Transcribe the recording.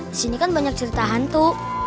di sini kan banyak cerita hantu